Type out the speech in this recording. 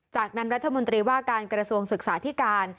จากนั้นรัฐมนตรีว่าการกระทรวงศึกษาธิการ